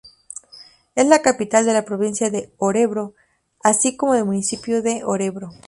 Es la capital de la provincia de Örebro, así como del municipio de Örebro.